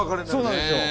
そうなんですよ。